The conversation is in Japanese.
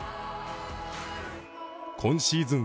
今シーズン